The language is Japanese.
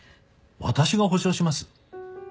私が保証します。